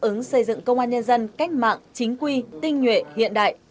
ứng xây dựng công an nhân dân cách mạng chính quy tinh nhuệ hiện đại